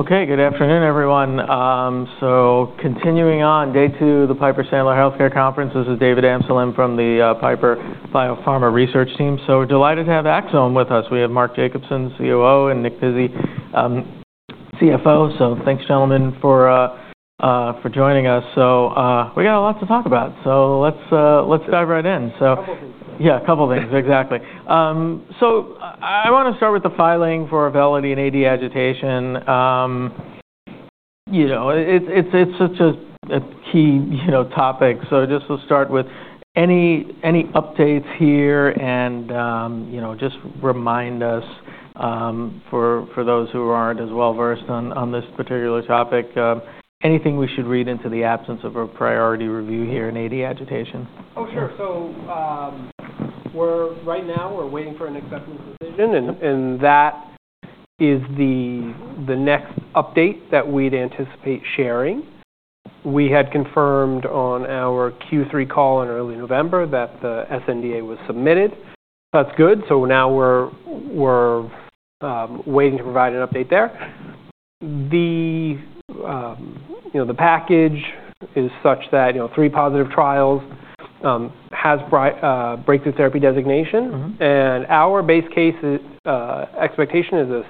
Okay, good afternoon, everyone. Continuing on, day two of the Piper Sandler Healthcare Conference. This is David Anselm from the Piper Sandler Biopharma Research Team. Delighted to have Axsome with us. We have Mark Jacobson, COO, and Nick Pizzie, CFO. Thanks, gentlemen, for joining us. We got a lot to talk about. Let's dive right in. A couple of things. Yeah, a couple of things. Exactly, so I wanna start with the filing for Auvelity and AD agitation. You know, it's such a key, you know, topic, so just we'll start with any updates here and, you know, just remind us, for those who aren't as well versed on this particular topic, anything we should read into the absence of a priority review here in AD agitation. Oh, sure. So, we're right now, we're waiting for an acceptance decision. And that is the next update that we'd anticipate sharing. We had confirmed on our Q3 call in early November that the SNDA was submitted. That's good. So now we're waiting to provide an update there. You know, the package is such that, you know, three positive trials has breakthrough therapy designation. Mm-hmm. Our base case is, expectation is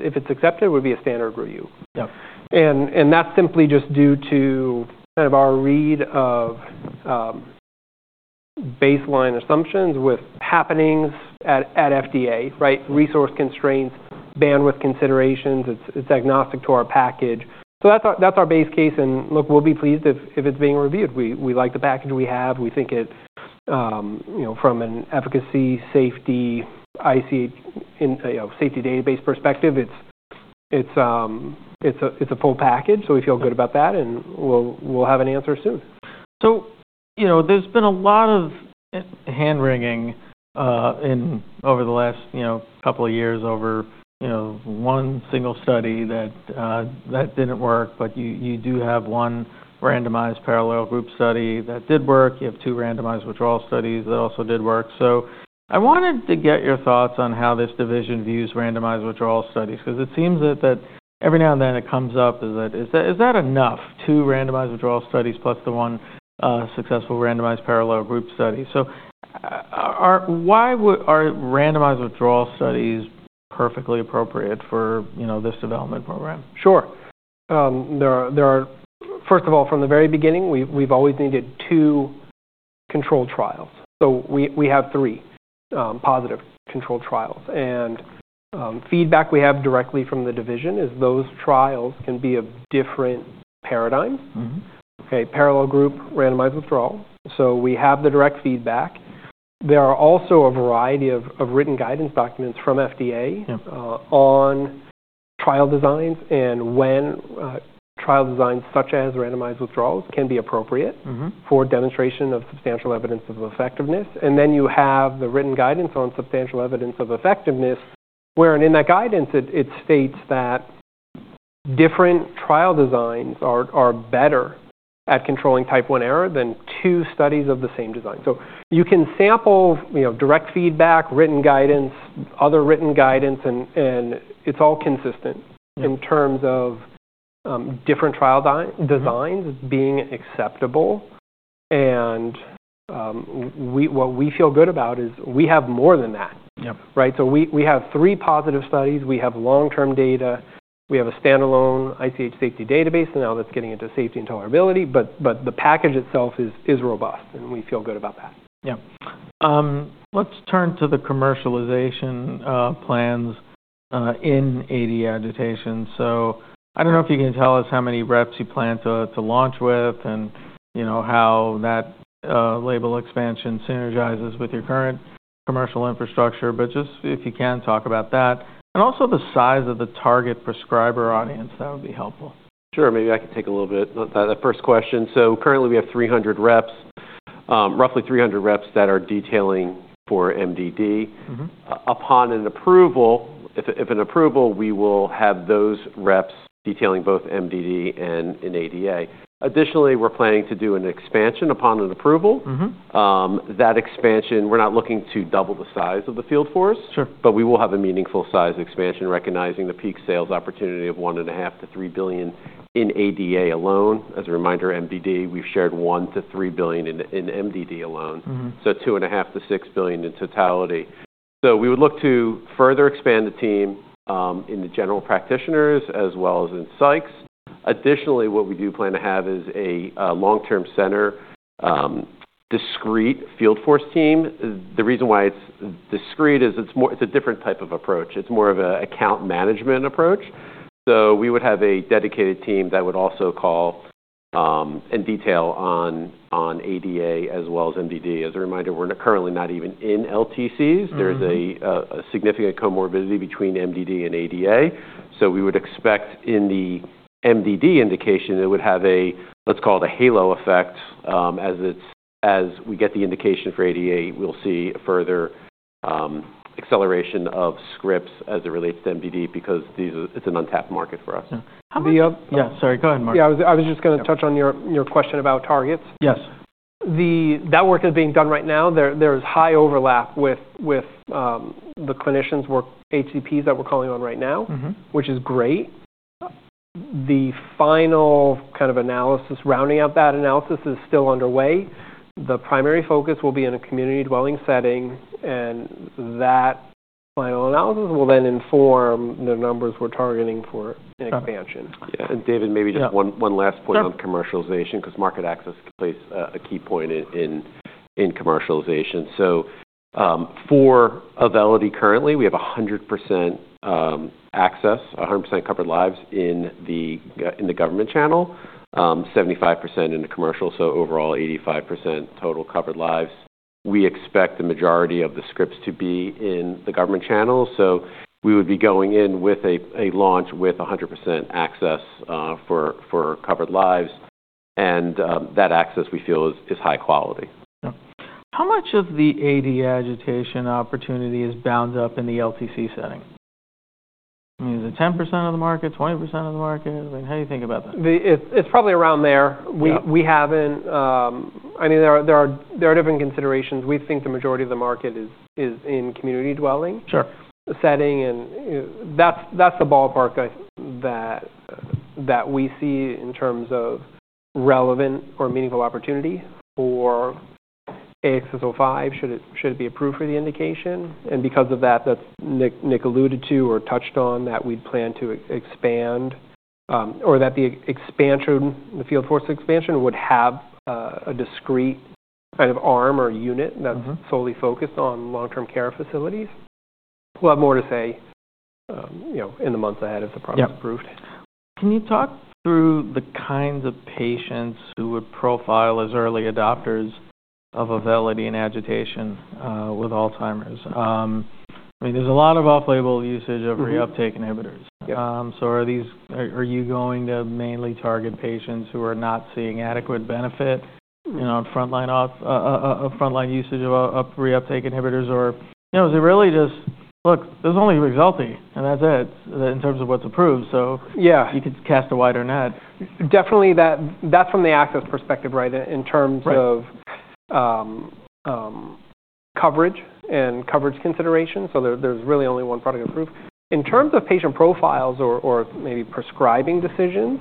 if it's accepted, it would be a standard review. Yep. That's simply just due to kind of our read of baseline assumptions with happenings at FDA, right? Mm-hmm. Resource constraints, bandwidth considerations. It's agnostic to our package. So that's our base case. And look, we'll be pleased if it's being reviewed. We like the package we have. We think it, you know, from an efficacy, safety, ICH, you know, safety database perspective, it's a full package. So we feel good about that. And we'll have an answer soon. So, you know, there's been a lot of hand-wringing over the last, you know, couple of years over, you know, one single study that didn't work. But you do have one randomized parallel group study that did work. You have two randomized withdrawal studies that also did work. So I wanted to get your thoughts on how this division views randomized withdrawal studies 'cause it seems that every now and then it comes up, is that enough? Two randomized withdrawal studies plus the one successful randomized parallel group study. So, are randomized withdrawal studies perfectly appropriate for, you know, this development program? Sure. There are first of all, from the very beginning, we've always needed two controlled trials. So we have three positive controlled trials, and feedback we have directly from the division is those trials can be of different paradigms. Mm-hmm. Okay? Parallel group randomized withdrawal. So we have the direct feedback. There are also a variety of written guidance documents from FDA. Yep. On trial designs and when trial designs such as randomized withdrawals can be appropriate. Mm-hmm. For demonstration of substantial evidence of effectiveness. Then you have the written guidance on substantial evidence of effectiveness wherein in that guidance, it states that different trial designs are better at controlling type one error than two studies of the same design. So you can sample, you know, direct feedback, written guidance, other written guidance, and it's all consistent. Mm-hmm. In terms of different trial designs being acceptable. And, we, what we feel good about is we have more than that. Yep. Right? So we have three positive studies. We have long-term data. We have a standalone ICH safety database, and now that's getting into safety and tolerability, but the package itself is robust, and we feel good about that. Yep. Let's turn to the commercialization plans in AD agitation. So I don't know if you can tell us how many reps you plan to launch with and, you know, how that label expansion synergizes with your current commercial infrastructure. But just if you can talk about that and also the size of the target prescriber audience, that would be helpful. Sure. Maybe I can take a little bit the first question. So currently we have 300 reps, roughly 300 reps that are detailing for MDD. Mm-hmm. Upon an approval, we will have those reps detailing both MDD and ADA. Additionally, we're planning to do an expansion upon an approval. Mm-hmm. that expansion, we're not looking to double the size of the field for us. Sure. But we will have a meaningful size expansion recognizing the peak sales opportunity of $1.5-$3 billion in ADA alone. As a reminder, MDD, we've shared $1-$3 billion in MDD alone. Mm-hmm. So $2.5-$6 billion in totality. So we would look to further expand the team in the general practitioners as well as in psychs. Additionally, what we do plan to have is a long-term care discrete field force team. The reason why it's discrete is it's more a different type of approach. It's more of an account management approach. So we would have a dedicated team that would also call and detail on ADA as well as MDD. As a reminder, we're currently not even in LTCs. Mm-hmm. There's a significant comorbidity between MDD and ADA. So we would expect in the MDD indication, it would have a, let's call it a halo effect, as we get the indication for ADA, we'll see further acceleration of scripts as it relates to MDD because these are, it's an untapped market for us. Yeah. How many. Yeah. Sorry. Go ahead, Mark. Yeah. I was just gonna touch on your question about targets. Yes. That work is being done right now. There is high overlap with the clinicians we work with, HCPs that we're calling on right now. Mm-hmm. Which is great. The final kind of analysis rounding out that analysis is still underway. The primary focus will be in a community dwelling setting. And that final analysis will then inform the numbers we're targeting for expansion. Yeah. David, maybe just one last point. Yep. On commercialization 'cause market access plays a key point in commercialization. So, for Auvelity currently, we have 100% access, 100% covered lives in the government channel, 75% in the commercial. So overall, 85% total covered lives. We expect the majority of the scripts to be in the government channel. We would be going in with a launch with 100% access for covered lives. And that access we feel is high quality. Yep. How much of the AD agitation opportunity is bound up in the LTC setting? I mean, is it 10% of the market, 20% of the market? I mean, how do you think about that? It's, it's probably around there. Yeah. We haven't, I mean, there are different considerations. We think the majority of the market is in community dwelling. Sure. And, that's the ballpark I think that we see in terms of relevant or meaningful opportunity for AXS05 should it be approved for the indication. And because of that, that's Nick alluded to or touched on that we'd plan to expand, or that the expansion, the field force expansion would have a discrete kind of arm or unit that's. Mm-hmm. Solely focused on long-term care facilities. We'll have more to say, you know, in the months ahead if the product's approved. Yeah. Can you talk through the kinds of patients who would profile as early adopters of Auvelity and agitation, with Alzheimer's? I mean, there's a lot of off-label usage of reuptake inhibitors. Yep. So are these, are you going to mainly target patients who are not seeing adequate benefit, you know, in frontline or off-frontline usage of reuptake inhibitors? Or, you know, is it really just, look, there's only Rexulti and that's it in terms of what's approved? So. Yeah. You could cast a wider net. Definitely that. That's from the access perspective, right, in terms of. Right. Coverage and coverage considerations. So there, there's really only one product approved. In terms of patient profiles or maybe prescribing decisions,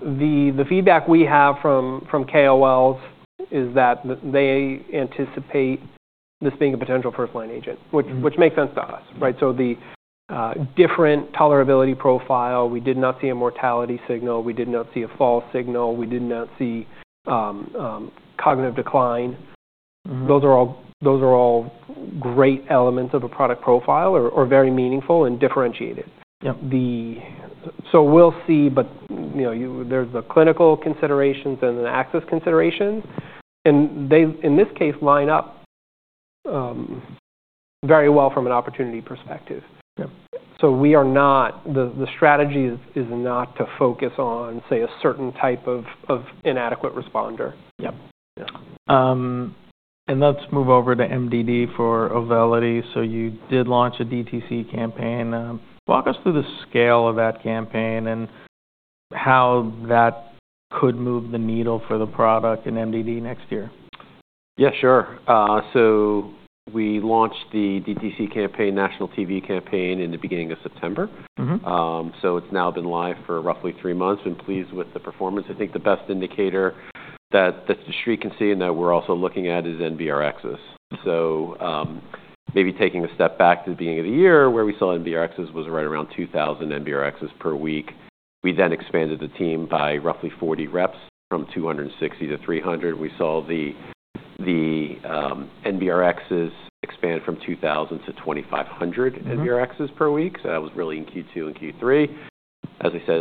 the feedback we have from KOLs is that they anticipate this being a potential first-line agent, which makes sense to us, right? So the different tolerability profile, we did not see a mortality signal. We did not see a fall signal. We did not see cognitive decline. Mm-hmm. Those are all great elements of a product profile or very meaningful and differentiated. Yep. So we'll see. But, you know, there's the clinical considerations and the access considerations. And they, in this case, line up very well from an opportunity perspective. Yep. The strategy is not to focus on, say, a certain type of inadequate responder. Yep. Yeah. Let's move over to MDD for Auvelity. You did launch a DTC campaign. Walk us through the scale of that campaign and how that could move the needle for the product and MDD next year. Yeah, sure, so we launched the DTC campaign, national TV campaign in the beginning of September. Mm-hmm. So it's now been live for roughly three months. Been pleased with the performance. I think the best indicator that the street can see and that we're also looking at is NBRXs. So, maybe taking a step back to the beginning of the year where we saw NBRXs was right around 2,000 NBRXs per week. We then expanded the team by roughly 40 reps from 260 to 300. We saw the NBRXs expand from 2,000 to 2,500 NBRXs per week. So that was really in Q2 and Q3. As I said,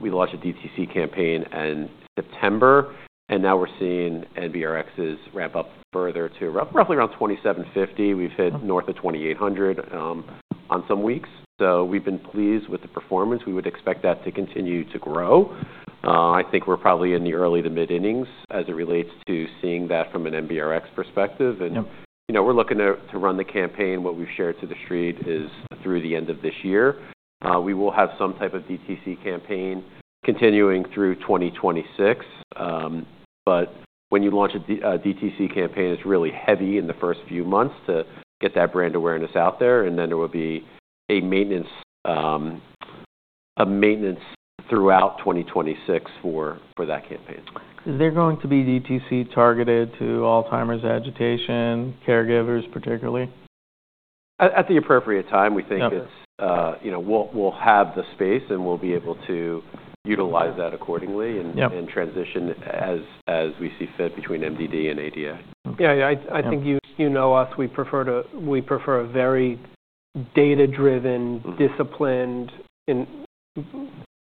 we launched a DTC campaign in September. And now we're seeing NBRXs ramp up further to roughly around 2,750. We've hit. Mm-hmm. North of 2,800 on some weeks. So we've been pleased with the performance. We would expect that to continue to grow. I think we're probably in the early to mid-innings as it relates to seeing that from an NBRX perspective. Yep. You know, we're looking to run the campaign. What we've shared to the street is through the end of this year. We will have some type of DTC campaign continuing through 2026, but when you launch a DTC campaign, it's really heavy in the first few months to get that brand awareness out there, and then there will be a maintenance throughout 2026 for that campaign. Is there going to be DTC targeted to Alzheimer's agitation, caregivers particularly? At the appropriate time. Yep. We think it's, you know, we'll have the space and we'll be able to utilize that accordingly and. Yep. Transition as we see fit between MDD and ADA. Okay. Yeah. I think you know us. We prefer a very data-driven, disciplined, and,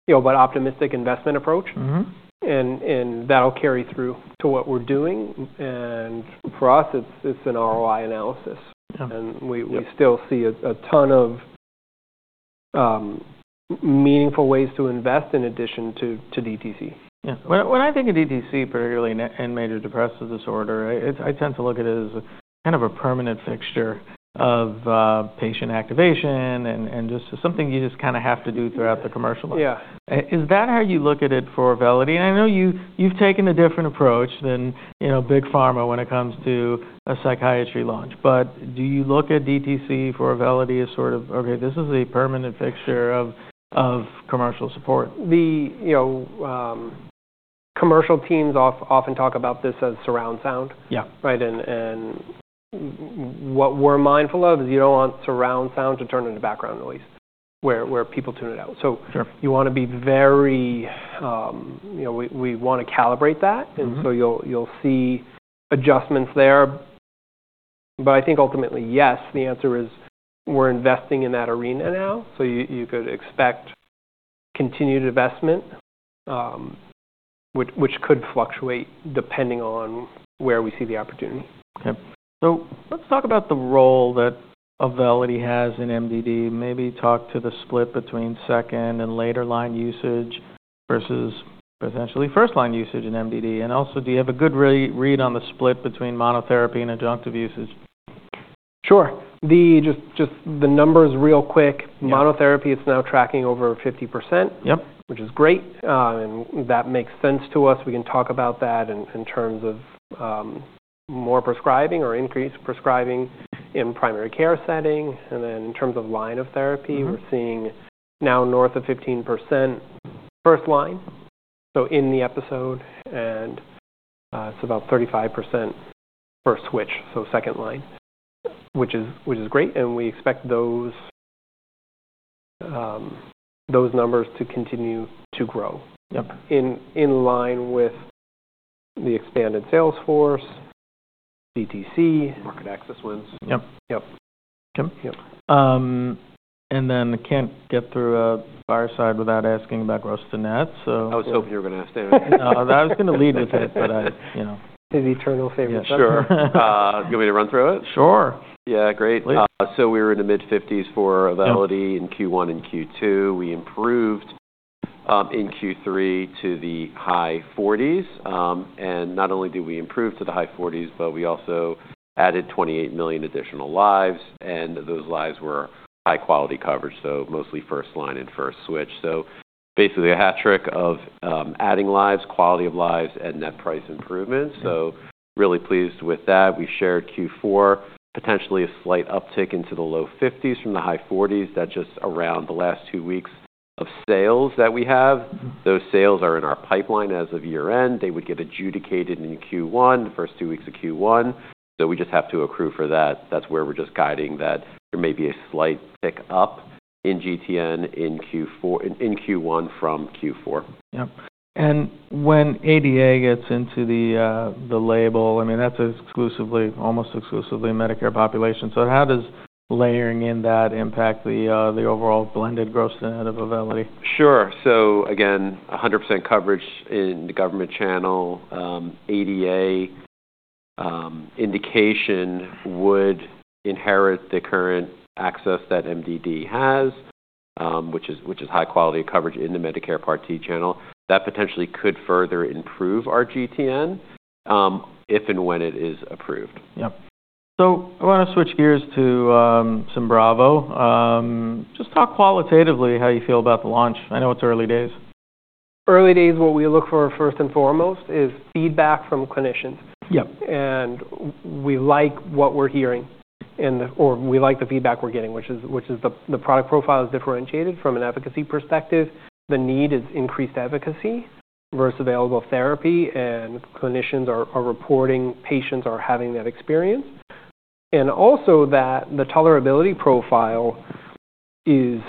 you know, but optimistic investment approach. Mm-hmm. And that'll carry through to what we're doing. And for us, it's an ROI analysis. Yep. We still see a ton of meaningful ways to invest in addition to DTC. Yeah. When I think of DTC, particularly in major depressive disorder, I tend to look at it as a kind of a permanent fixture of patient activation and just something you just kinda have to do throughout the commercial. Yeah. Is that how you look at it for Auvelity? And I know you've taken a different approach than, you know, big pharma when it comes to a psychiatry launch. But do you look at DTC for Auvelity as sort of, okay, this is a permanent fixture of commercial support? You know, commercial teams often talk about this as surround sound. Yep. Right? And what we're mindful of is you don't want surround sound to turn into background noise where people tune it out. So. Sure. You wanna be very, you know, we wanna calibrate that. Mm-hmm. And so you'll see adjustments there. But I think ultimately, yes, the answer is we're investing in that arena now. So you could expect continued investment, which could fluctuate depending on where we see the opportunity. Yep. So let's talk about the role that Auvelity has in MDD. Maybe talk to the split between second and later line usage versus potentially first-line usage in MDD. And also, do you have a good re-read on the split between monotherapy and adjunctive usage? Sure. Just the numbers real quick. Yep. Monotherapy, it's now tracking over 50%. Yep. Which is great. And that makes sense to us. We can talk about that in terms of more prescribing or increased prescribing in primary care setting. And then in terms of line of therapy. Mm-hmm. We're seeing now north of 15% first line. So in the episode. And it's about 35% first switch, so second line, which is great. And we expect those numbers to continue to grow. Yep. In line with the expanded sales force, DTC. Market access wins. Yep. Yep. Yep, and then I can't get through a fireside without asking about gross-to-net. So. I was hoping you were gonna ask that. I was gonna lead with it, but I, you know. His eternal favorite question. Sure. You want me to run through it? Sure. Yeah. Great. Please. So we were in the mid-50s% for Auvelity in Q1 and Q2. We improved in Q3 to the high 40s%. And not only did we improve to the high 40s%, but we also added 28 million additional lives. And those lives were high-quality coverage, so mostly first line and first switch. So basically a hat trick of adding lives, quality of lives, and net price improvements. So really pleased with that. We shared Q4 potentially a slight uptick into the low 50s% from the high 40s%. That's just around the last two weeks of sales that we have. Those sales are in our pipeline as of year-end. They would get adjudicated in Q1, the first two weeks of Q1. So we just have to accrue for that. That's where we're just guiding that there may be a slight pick up in GTN in Q4 in Q1 from Q4. Yep. And when ADA gets into the label, I mean, that's exclusively, almost exclusively Medicare population. So how does layering in that impact the overall blended gross-to-net of Auvelity? Sure, so again, 100% coverage in the government channel, ADA indication would inherit the current access that MDD has, which is high-quality coverage in the Medicare Part D channel. That potentially could further improve our GTN, if and when it is approved. Yep. So I wanna switch gears to Symbrava. Just talk qualitatively how you feel about the launch. I know it's early days. Early days, what we look for first and foremost is feedback from clinicians. Yep. And we like what we're hearing, or we like the feedback we're getting, which is the product profile is differentiated from an efficacy perspective. The need is increased efficacy versus available therapy. And clinicians are reporting patients are having that experience. And also that the tolerability profile is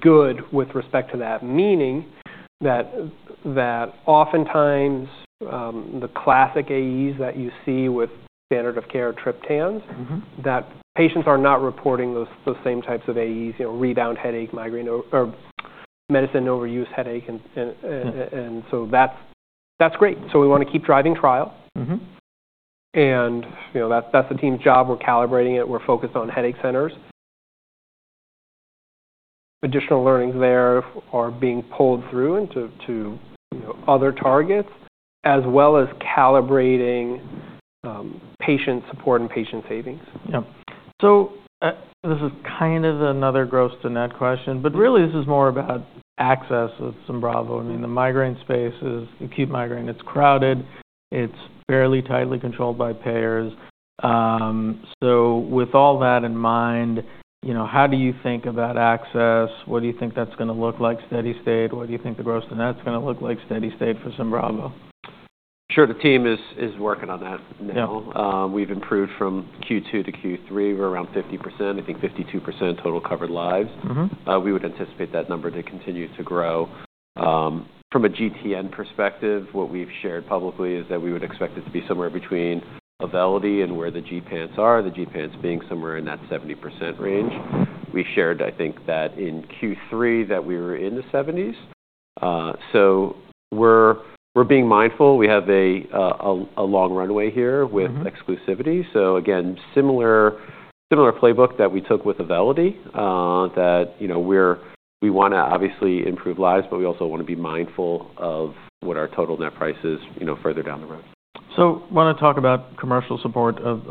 good with respect to that, meaning that oftentimes the classic AEs that you see with standard of care triptans. Mm-hmm. That patients are not reporting those same types of AEs, you know, rebound headache, migraine or medicine overuse headache. And so that's great. So we wanna keep driving trial. Mm-hmm. And, you know, that's, that's the team's job. We're calibrating it. We're focused on headache centers. Additional learnings there are being pulled through into, to, you know, other targets as well as calibrating patient support and patient savings. Yep. So, this is kind of another Gross to Net question. But really, this is more about access with Symbrava. I mean, the migraine space is acute migraine. It's crowded. It's fairly tightly controlled by payers. So with all that in mind, you know, how do you think about access? What do you think that's gonna look like steady state? What do you think the Gross to Net's gonna look like steady state for Symbrava? Sure. The team is working on that now. Yep. We've improved from Q2 to Q3. We're around 50%, I think 52% total covered lives. Mm-hmm. We would anticipate that number to continue to grow. From a GTN perspective, what we've shared publicly is that we would expect it to be somewhere between Auvelity and where the gepants are, the gepants being somewhere in that 70% range. We shared, I think, that in Q3 that we were in the 70s, so we're being mindful. We have a long runway here with. Mm-hmm. Exclusivity. So again, similar playbook that we took with Auvelity, that, you know, we're, we wanna obviously improve lives, but we also wanna be mindful of what our total net price is, you know, further down the road. So wanna talk about commercial support of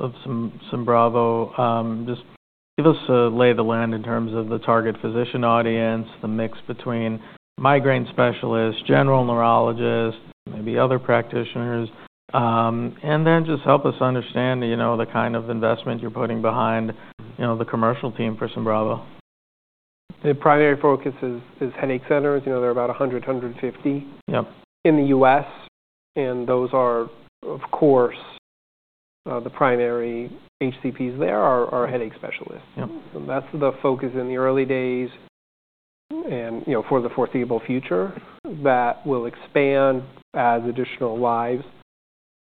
Symbrava. Just give us a lay of the land in terms of the target physician audience, the mix between migraine specialists, general neurologists, maybe other practitioners. And then just help us understand, you know, the kind of investment you're putting behind, you know, the commercial team for Symbrava. The primary focus is headache centers. You know, there are about 100-150. Yep. In the U.S., and those are, of course, the primary HCPs there are headache specialists. Yep. That's the focus in the early days and, you know, for the foreseeable future that will expand as additional lives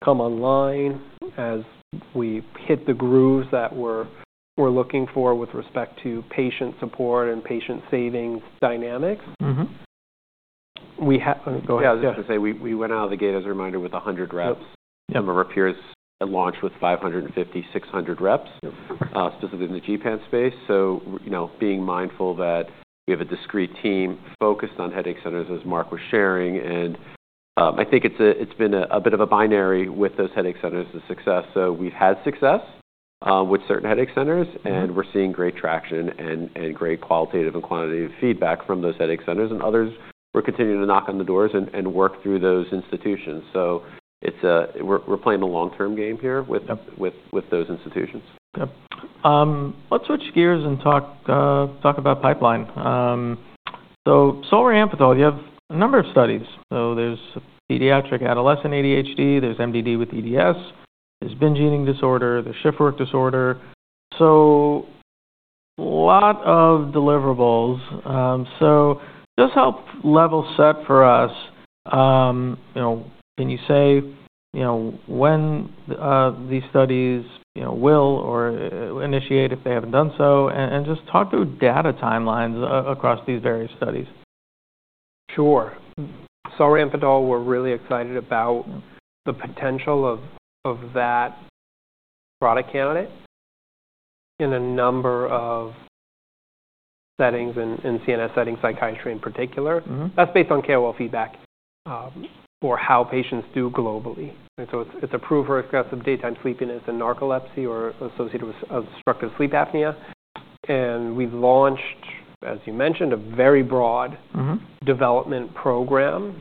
come online as we hit the grooves that we're looking for with respect to patient support and patient savings dynamics. Mm-hmm. Go ahead. Yeah. Yeah. I was just gonna say we went out of the gate as a reminder with 100 reps. Yep. We're up here at launch with 550-600 reps. Yep. Specifically in the gepants space. So, you know, being mindful that we have a discrete team focused on headache centers as Mark was sharing. And I think it's been a bit of a binary with those headache centers as success. So we've had success with certain headache centers. Mm-hmm. And we're seeing great traction and great qualitative and quantitative feedback from those headache centers. And others, we're continuing to knock on the doors and work through those institutions. So it's, we're playing a long-term game here. Yep. With those institutions. Yep. Let's switch gears and talk about pipeline. So Solriamfetol, you have a number of studies. So there's pediatric adolescent ADHD. There's MDD with EDS. There's binge eating disorder. There's shift work disorder. So a lot of deliverables. So just help level set for us. You know, can you say, you know, when these studies, you know, will or initiate if they haven't done so? And just talk through data timelines across these various studies. Sure. Solriamfetol, we're really excited about the potential of that product candidate in a number of settings and CNS settings, psychiatry in particular. Mm-hmm. That's based on KOL feedback for how patients do globally. And so it's, it's a proof for excessive daytime sleepiness and narcolepsy or associated with obstructive sleep apnea. And we've launched, as you mentioned, a very broad. Mm-hmm. Development program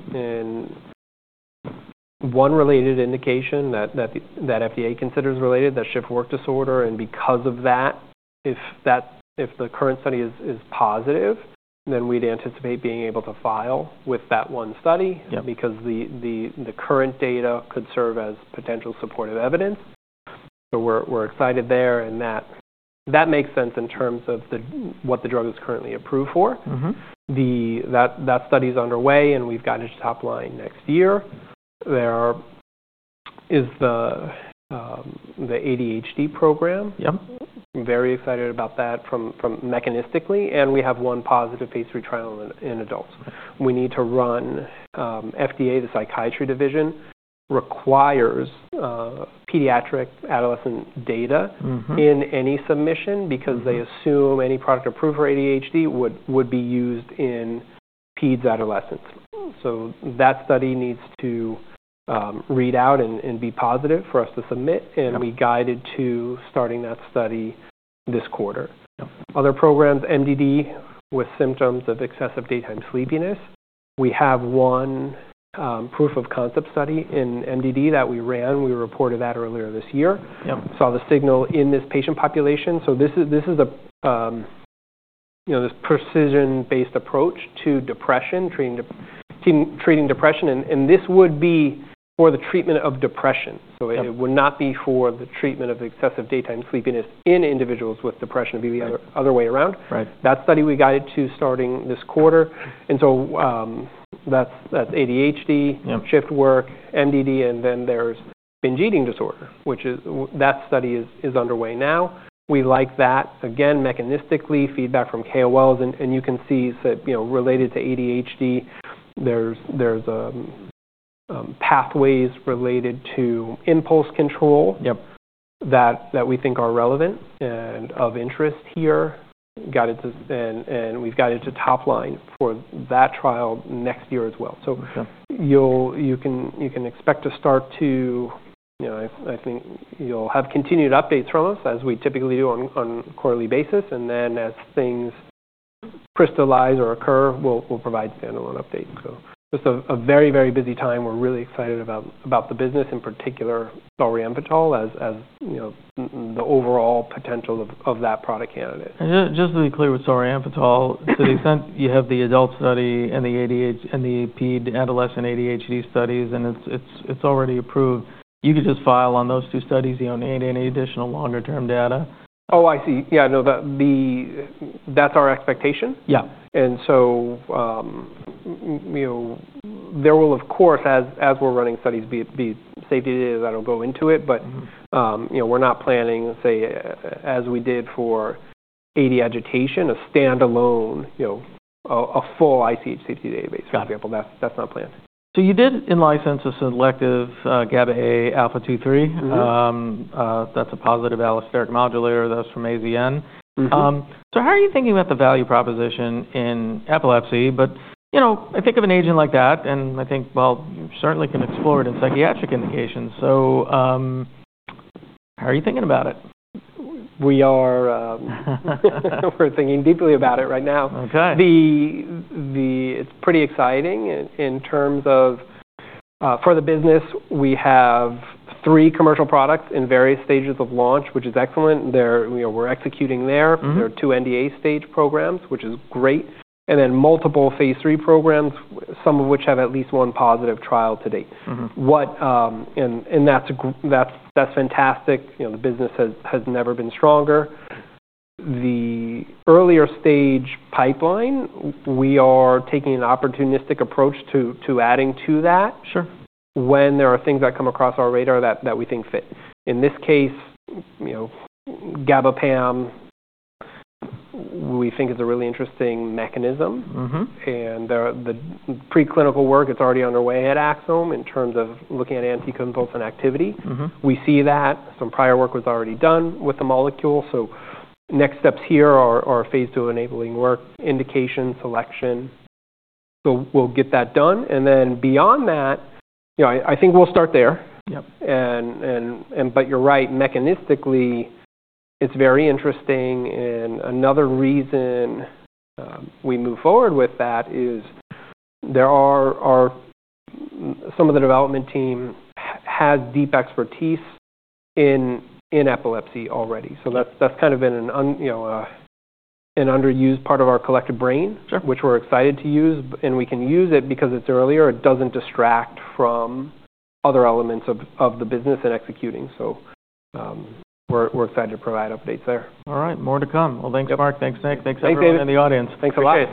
in one related indication that the FDA considers related, that shift work disorder. And because of that, if the current study is positive, then we'd anticipate being able to file with that one study. Yep. Because the current data could serve as potential supportive evidence. So we're excited there and that makes sense in terms of what the drug is currently approved for. Mm-hmm. That study's underway and we've got it to top line next year. There is the ADHD program. Yep. Very excited about that from mechanistically. And we have one positive phase 3 trial in adults. We need to run. FDA, the psychiatry division requires pediatric adolescent data. Mm-hmm. In any submission because they assume any product approved for ADHD would be used in peds adolescents. So that study needs to read out and be positive for us to submit. Yep. We guided to starting that study this quarter. Yep. Other programs, MDD with symptoms of excessive daytime sleepiness. We have one proof-of-concept study in MDD that we ran. We reported that earlier this year. Yep. Saw the signal in this patient population. So this is a, you know, this precision-based approach to depression, treating depression. And this would be for the treatment of depression. Yep. So it would not be for the treatment of excessive daytime sleepiness in individuals with depression. It'd be the other. Right. Other way around. Right. That study we guided to starting this quarter, and so that's ADHD. Yep. Shift work, MDD. And then there's binge eating disorder, which is that study is underway now. We like that. Again, mechanistically, feedback from KOLs. And you can see, so you know, related to ADHD, there's pathways related to impulse control. Yep. That we think are relevant and of interest here. Guided to, and we've guided to top line for that trial next year as well. So. Yep. You can expect to start to, you know, I think you'll have continued updates from us as we typically do on quarterly basis, and then as things crystallize or occur, we'll provide standalone updates, so just a very busy time. We're really excited about the business in particular, Solriamfetol, as you know, the overall potential of that product candidate. Just, just to be clear with Solriamfetol, to the extent you have the adult study and the ADHD and the pediatric adolescent ADHD studies, and it's already approved, you could just file on those two studies. You don't need any additional longer-term data. Oh, I see. Yeah. No, that's our expectation. Yep. And so, you know, there will, of course, as we're running studies, be safety data that'll go into it. But. Mm-hmm. You know, we're not planning, say, as we did for AD agitation, a standalone, you know, a full ICH safety database. Yep. For example, that's, that's not planned. So, you did in-license this asset, GABA-A alpha 2/3. Mm-hmm. That's a positive allosteric modulator. That's from AZN. Mm-hmm. So how are you thinking about the value proposition in epilepsy? But, you know, I think of an agent like that and I think, well, you certainly can explore it in psychiatric indications. So, how are you thinking about it? We're thinking deeply about it right now. Okay. It's pretty exciting in terms of for the business. We have three commercial products in various stages of launch, which is excellent. They're, you know, we're executing there. Mm-hmm. There are two NDA stage programs, which is great. And then multiple phase three programs, some of which have at least one positive trial to date. Mm-hmm. That's fantastic. You know, the business has never been stronger. The early-stage pipeline, we are taking an opportunistic approach to adding to that. Sure. When there are things that come across our radar that we think fit. In this case, you know, GABA-PAM, we think is a really interesting mechanism. Mm-hmm. There is the preclinical work. It's already underway at Axsome in terms of looking at anticonvulsant activity. Mm-hmm. We see that. Some prior work was already done with the molecule. So next steps here are phase two enabling work, indication selection. So we'll get that done. And then beyond that, you know, I think we'll start there. Yep. But you're right, mechanistically, it's very interesting. And another reason we move forward with that is there are some of the development team has deep expertise in epilepsy already. So that's kind of been, you know, an underused part of our collective brain. Sure. Which we're excited to use. And we can use it because it's earlier. It doesn't distract from other elements of the business and executing. So, we're excited to provide updates there. All right. More to come. Well, thanks, Mark. Yep. Thanks, Nick. Thanks everyone in the audience. Thanks a lot.